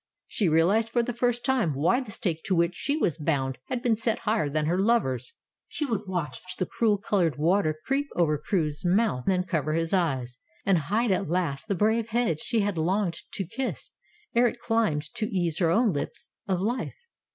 She realized for the first time why the stake to which she was bound had been set higher than her lover's. She would watch the cruel colored water creep over Crewe's mouth, then cover his eyes, and hide at last the brave head she had longed to kiss, ere it climbed to ease her own lips of life.